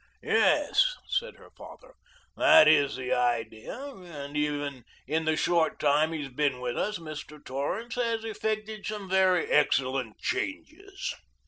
"Yes," said her father, "that is the idea, and even in the short time he has been with us Mr. Torrance has effected some very excellent changes."